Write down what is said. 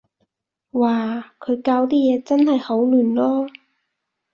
嘩，佢校啲嘢真係好亂囉